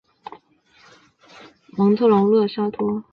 蒙特龙勒沙托。